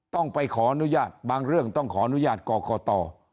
ต้องไปขออนุญาตบางเรื่องต้องขออนุญาตกรกต